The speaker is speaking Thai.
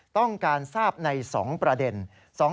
ต้องการทราบใน๒ประเด็น